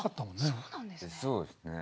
そうですね。